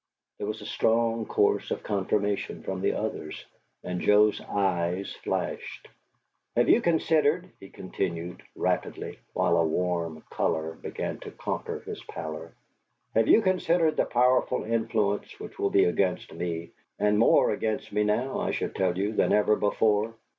There was a strong chorus of confirmation from the others, and Joe's eyes flashed. "Have you considered," he continued, rapidly, while a warm color began to conquer his pallor, "have you considered the powerful influence which will be against me, and more against me now, I should tell you, than ever before?